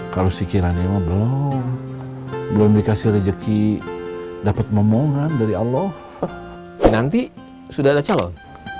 kalau sikirannya mah belum belum dikasih rezeki dapat memohon dari allah nanti sudah ada calon